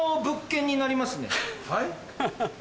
はい？